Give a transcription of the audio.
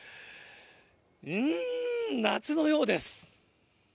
うーん！夏のようです。